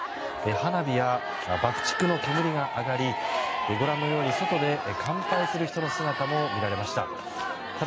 花火や爆竹の煙が上がりご覧のように外で乾杯する人の姿も見られました。